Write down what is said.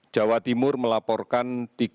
jawa timur melaporkan tiga ratus tiga puluh delapan